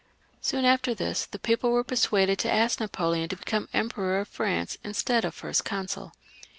Soon after this the people were persuaded to ask , Napoleon to become Emperor of France instead of First Consul.